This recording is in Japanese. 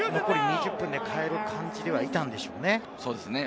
残り２０分で代える感じではいたんでしょうね。